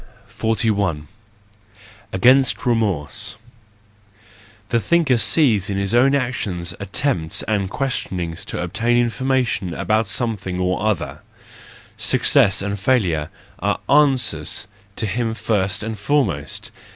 41. Against Remorse. — The thinker sees in his own actions attempts and questionings to obtain information about something or other; success THE JOYFUL WISDOM, I 79 and failure are answers to him first and foremost.